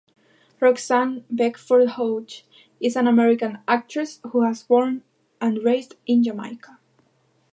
Roxanne Beckford-Hoge, is an American actress who was born and raised in Jamaica.